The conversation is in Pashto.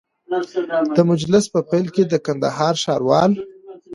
د مجلس په پیل کي د کندهار ښاروال